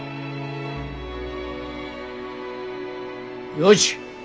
よし。